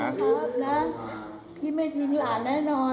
ไม่ต้องห่วงนะครับนะพี่ไม่ทิ้งหลานแน่นอน